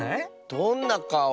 どんなかお？